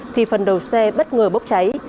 thì phần đầu xe bất ngờ bốc cháy